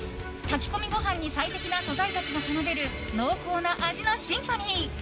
炊き込みご飯に最適な素材たちが奏でる濃厚な味のシンフォニー。